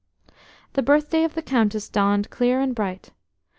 The birthday of the Countess dawned clear and bright.